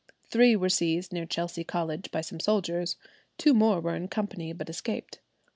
Three were seized near Chelsea College by some soldiers; two more were in company, but escaped.